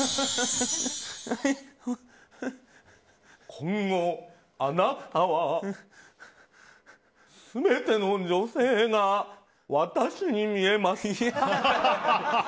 今後、あなたは全ての女性が私に見えます。